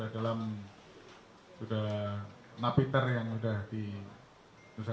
akses langsung ke media center di surabaya